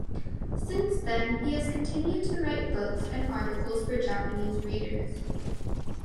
Since then he has continued to write books and articles for Japanese readers.